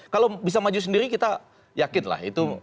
kalau bisa maju sendiri kita yakin lah itu